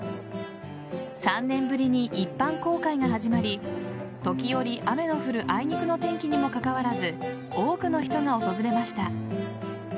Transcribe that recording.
３年ぶりに一般公開が始まり時折、雨の降るあいにくの天気にもかかわらず多くの人が訪れました。